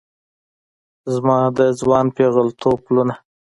زما د ځوان پیغلتوب پلونه